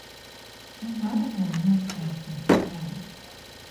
Together they made the display.